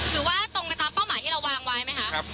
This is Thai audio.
ถือว่าตรงตามเป้าหมายที่เราวางไว้ไหมคะ